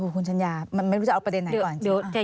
คุณชัญญามันไม่รู้จะเอาประเด็นไหนก่อน